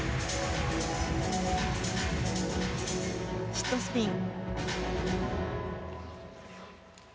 シットスピン。